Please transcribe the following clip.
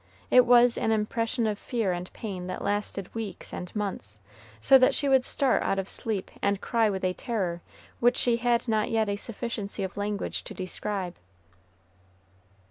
It was an impression of fear and pain that lasted weeks and months, so that she would start out of sleep and cry with a terror which she had not yet a sufficiency of language to describe.